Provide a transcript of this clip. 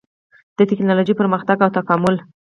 د ټېکنالوجۍ پرمختګ او تکامل